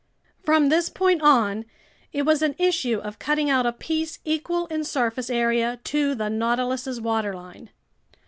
From this point on, it was an issue of cutting out a piece equal in surface area to the Nautilus's waterline.